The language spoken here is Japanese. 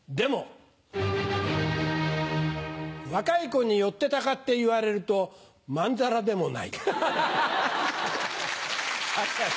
若い子に寄ってたかって言われるとまんざらでもない。